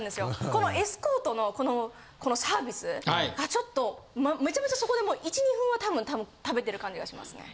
このエスコートのこのサービスがちょっとめちゃめちゃそこでもう１２分は多分食べてる感じがしますね。